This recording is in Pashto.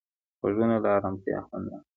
غوږونه له ارامتیا خوند اخلي